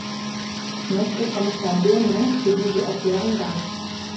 Ich möchte Kommissar Byrne für diese Erklärung danken.